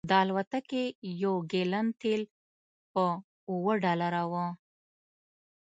د الوتکې یو ګیلن تیل په اوه ډالره و